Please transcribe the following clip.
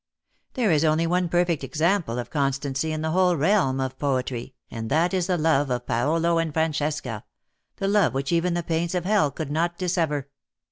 There is only one perfect example of constancy in the whole realm of poetry,, and that is the love of Paolo and Francesca, the love which even the pains of hell could not dissever.